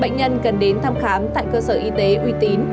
bệnh nhân cần đến thăm khám tại cơ sở y tế uy tín